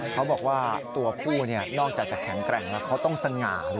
เขาบอกว่าตัวผู้นอกจากจะแข็งแกร่งแล้วเขาต้องสง่าด้วย